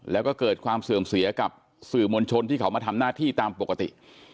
แล้วก็เกิดความเสื่อมเสียกับสื่อมวลชนที่เขามาทำหน้าที่ตามปกติ